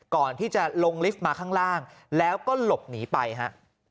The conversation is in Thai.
ก่อนที่จะลงลิฟต์มาข้างล่างแล้วก็หลบหนีไปฮะ